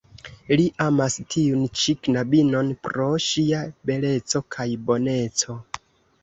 Li amas tiun ĉi knabinon pro ŝia beleco kaj boneco.